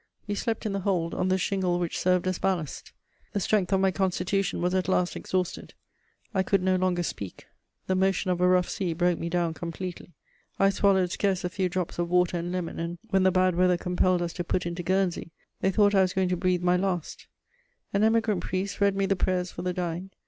We slept in the hold, on the shingle which served as ballast. The strength of my constitution was at last exhausted. I could no longer speak; the motion of a rough sea broke me down completely. I swallowed scarce a few drops of water and lemon, and, when the bad weather compelled us to put in to Guernsey, they thought I was going to breathe my last: an emigrant priest read me the prayers for the dying.